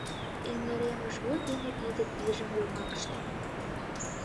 Эҥыремышвот ден пидыт пижым йомакыште.